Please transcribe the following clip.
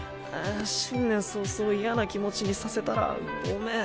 新年早々嫌な気持ちにさせたらごめん。